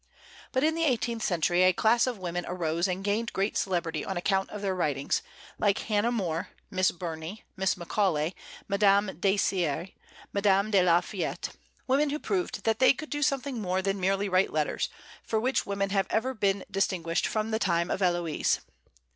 But in the eighteenth century a class of women arose and gained great celebrity on account of their writings, like Hannah More, Miss Burney, Mrs. Macaulay, Madame Dacier, Madame de la Fayette, women who proved that they could do something more than merely write letters, for which women ever have been distinguished from the time of Héloïse.